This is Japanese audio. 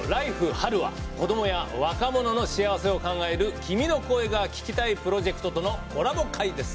春」は子どもや若者の幸せを考える「君の声が聴きたい」プロジェクトとのコラボ回です。